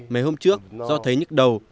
mấy hôm trước do thấy nhức đầu